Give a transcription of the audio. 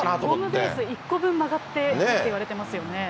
ホームベース１個分曲がってるといわれてますよね。